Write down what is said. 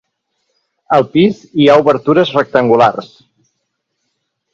Al pis hi ha obertures rectangulars.